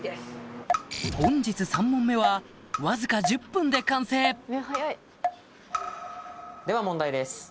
本日３問目はわずか１０分で完成では問題です